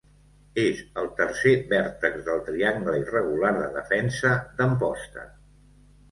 És el tercer vèrtex del triangle irregular de defensa d'Amposta.